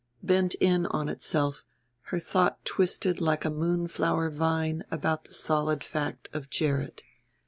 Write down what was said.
Bent in on itself her thought twisted like a moonflower vine about the solid fact of Gerrit.